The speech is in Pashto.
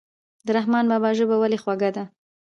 د رحمان بابا ژبه ولې خوږه ده.